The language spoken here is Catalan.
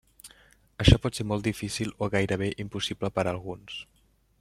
Això pot ser molt difícil o gairebé impossible per a alguns.